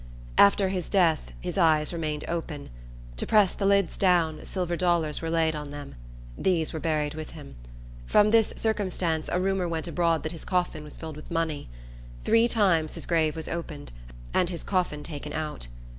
After death his eyes remained open. To press the lids down, silver dollars were laid on them. These were buried with him. From this circumstance, a rumor went abroad that his coffin was filled with money. Three times his grave was opened, and his coffin taken out.